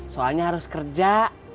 soalnya harus kerja